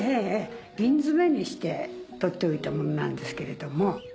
瓶詰めにして取っておいたものなんですけども。